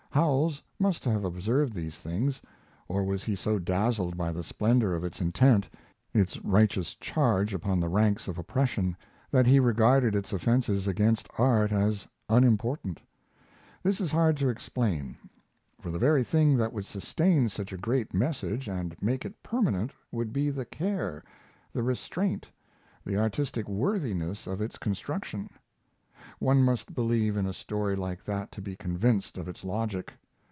Howells must have observed these things, or was he so dazzled by the splendor of its intent, its righteous charge upon the ranks of oppression, that he regarded its offenses against art as unimportant. This is hard to explain, for the very thing that would sustain such a great message and make it permanent would be the care, the restraint, the artistic worthiness of its construction. One must believe in a story like that to be convinced of its logic.